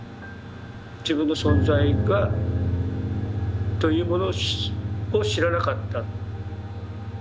自分の存在というものを知らなかった。